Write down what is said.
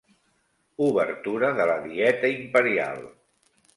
Obertura de la dieta imperial